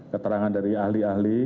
keterangan dari ahli ahli